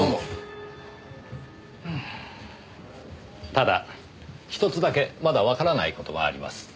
ただひとつだけまだわからない事もあります。